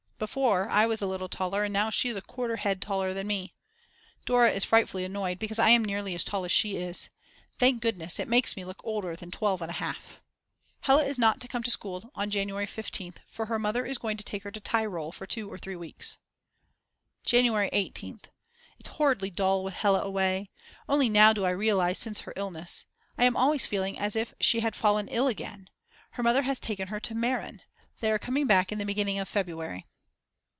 Before I was a little taller and now she is a quarter head taller than me. Dora is frightfully annoyed because I am nearly as tall as she is. Thank goodness it makes me look older than 12 1/2. Hella is not to come to school on January 15th, for her mother is going to take her to Tyrol for 2 or 3 weeks. January 18th. It's horridly dull with Hella away. Only now do I realise, since her illness. I am always feeling as if she had fallen ill again. Her mother has taken her to Meran, they are coming back in the beginning of February.